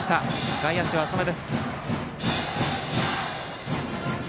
外野手は浅めです。